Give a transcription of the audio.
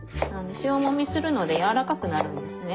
塩もみするので柔らかくなるんですね。